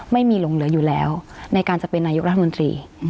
ไม่มีหลงเหลืออยู่แล้วในการจะเป็นนายกรัฐมนตรี